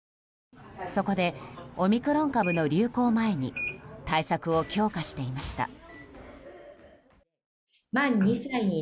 そこで、オミクロン株の流行前に対策を強化していました。